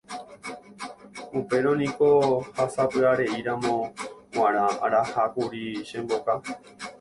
Upérõ niko ha sapy'areíramo g̃uarã arahákuri che mboka.